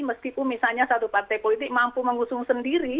meskipun misalnya satu partai politik mampu mengusung sendiri